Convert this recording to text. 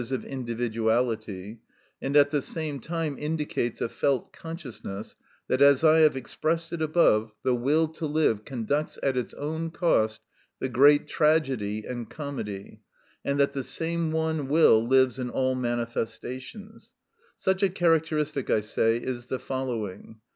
_, of individuality, and at the same time indicates a felt consciousness that, as I have expressed it above, the will to live conducts at its own cost the great tragedy and comedy, and that the same one will lives in all manifestations,—such a characteristic, I say, is the following.